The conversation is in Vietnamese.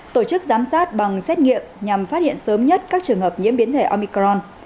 tổ chức giám sát bằng xét nghiệm nhằm phát hiện sớm nhất các trường hợp nhiễm biến thể omicron